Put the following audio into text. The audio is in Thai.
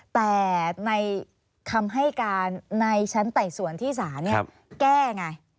แต่ในคำให้การในชั้นไต่สวนที่ศาลแก้ไง